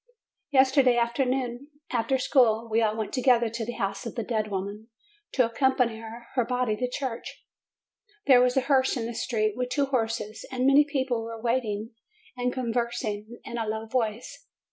Yesterday afternoon, after school, we all went to gether to the house of the dead woman, to accompany her body to church. There was a hearse in the street, with two horses, and many people were waiting, and conversing in a low voice.